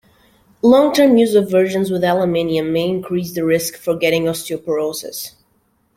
Long-term use of versions with aluminium may increase the risk for getting osteoporosis.